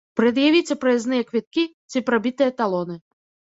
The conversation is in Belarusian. Прад'явіце праязныя квіткі ці прабітыя талоны.